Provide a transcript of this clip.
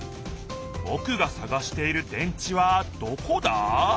ぼくがさがしている電池はどこだ？